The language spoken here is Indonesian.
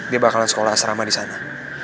dia bakalan sekolah asrama di sana